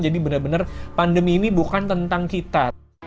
jadi benar benar pandemi ini bukan tentang kita